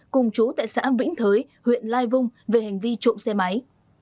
cùng chú tại xã vĩnh thới huyện lai vung về hành vi trộm xe máy